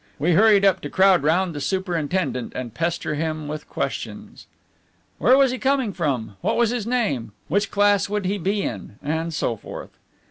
We hurried up to crowd round the superintendent and pester him with questions: "Where was he coming from? What was his name? Which class would he be in?" and so forth.